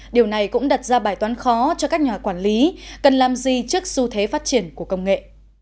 điều này cũng đặt ra bài toán khó cho các nhà quản lý cần làm gì trước xu thế phát triển của công nghệ